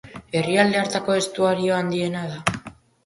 Herrialde hartako estuario handiena da.